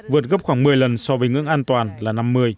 vượt gấp khoảng một mươi lần so với ngưỡng an toàn là năm mươi